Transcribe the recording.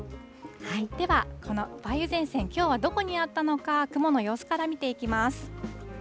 では、この梅雨前線、どこにあったのか、雲の様子から見ていきます。